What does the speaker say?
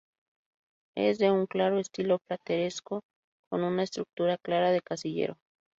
Es de un claro estilo plateresco con una estructura clara de casillero.